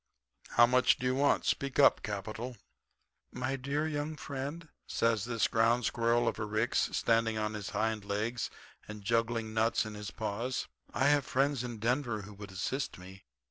How much do you want? Speak up. Capital.' "'My dear young friend,' says this ground squirrel of a Ricks, standing on his hind legs and juggling nuts in his paws, 'I have friends in Denver who would assist me.